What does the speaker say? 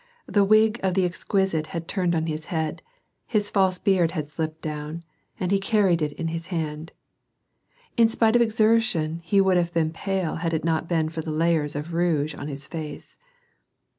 The wig of the exquisite had turned on his head, his false beard had slipped down, and he carried it in his hand. In spite of exertion he would have been pale had it not been for the layers of rouge on his face.